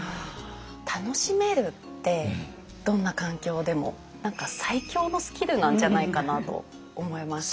楽しめるってどんな環境でも何か最強のスキルなんじゃないかなと思います。